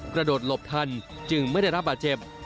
กระโดดหลบทันจึงไม่ได้รับบาดเจ็บ